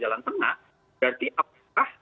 jalan tengah berarti apakah